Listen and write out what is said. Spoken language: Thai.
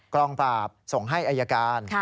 กองปราบส่งให้อายการ